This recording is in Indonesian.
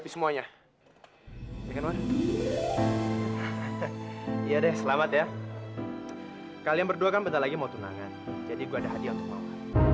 selamat ya kalian berdua kan bentar lagi mau tunangan jadi gue ada hadiah untuk mawar